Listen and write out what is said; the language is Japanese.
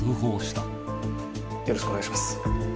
よろしくお願いします。